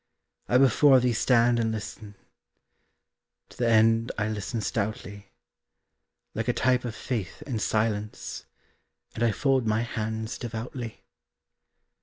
I before thee stand and listen; To the end I listen stoutly, Like a type of faith in silence, And I fold my hands devoutly.